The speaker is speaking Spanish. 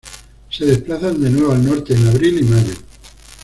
Se desplazan de nuevo al norte en abril y mayo.